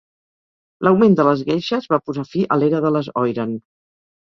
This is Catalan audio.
L'augment de les Geishes va posar fi a l'era de les Oiran.